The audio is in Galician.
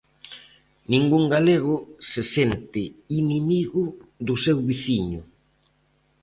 Ningún galego se sente inimigo do seu veciño.